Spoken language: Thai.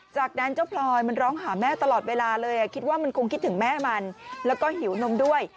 จากนั้นเจ้าพลอยมันร้องหาแม่ตลอดเวลาเลยคิดว่ามันคงคิดถึงแม่มันแล้วก็หิวนมด้วย